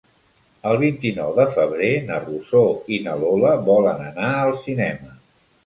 El vint-i-nou de febrer na Rosó i na Lola volen anar al cinema.